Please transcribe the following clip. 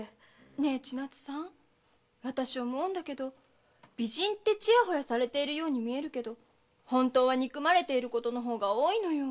ねえ千奈津さん私思うんだけど美人ってチヤホヤされているよう見えるけど本当は憎まれていることの方が多いのよ。